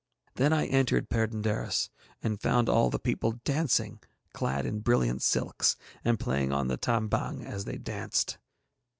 Then I entered Perd├│ndaris and found all the people dancing, clad in brilliant silks, and playing on the tambang as they danced.